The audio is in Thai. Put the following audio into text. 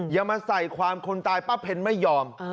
อย่ามาใส่ความคนตายป้าเพ็ญไม่ยอม